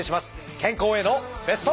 健康へのベスト。